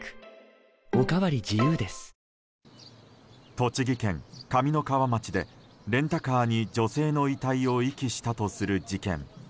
栃木県上三川町でレンタカーに女性の遺体を遺棄したとする事件。